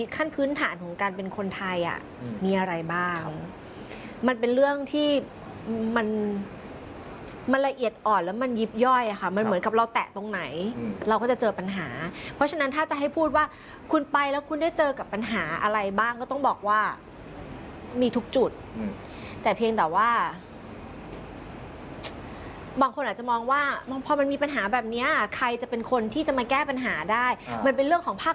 ขั้นพื้นฐานของการเป็นคนไทยอ่ะมีอะไรบ้างมันเป็นเรื่องที่มันมันละเอียดอ่อนแล้วมันยิบย่อยค่ะมันเหมือนกับเราแตะตรงไหนเราก็จะเจอปัญหาเพราะฉะนั้นถ้าจะให้พูดว่าคุณไปแล้วคุณได้เจอกับปัญหาอะไรบ้างก็ต้องบอกว่ามีทุกจุดแต่เพียงแต่ว่าบางคนอาจจะมองว่าพอมันมีปัญหาแบบนี้ใครจะเป็นคนที่จะมาแก้ปัญหาได้มันเป็นเรื่องของภาค